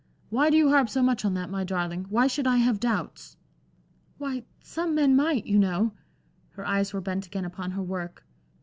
"Why do you harp so much on that, my darling? Why should I have doubts?" "Why, some men might, you know." Her eyes were bent again upon her work.